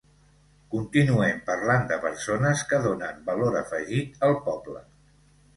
Continuem parlant de persones que donen valor afegit al poble.